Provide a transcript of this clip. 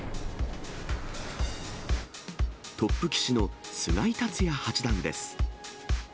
トップ棋士の菅井竜也八段です。